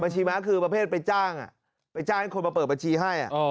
ม้าคือประเภทไปจ้างไปจ้างให้คนมาเปิดบัญชีให้